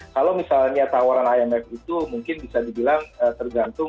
kalau misalnya tawaran imf itu mungkin bisa dibilang tergantung